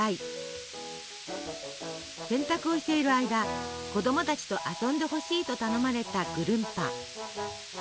洗濯をしている間子どもたちと遊んでほしいと頼まれたぐるんぱ。